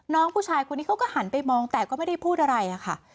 น้องผู้ชายคนนี้เขาก็หันไปมองแต่ก็ไม่ได้พูดอะไรค่ะ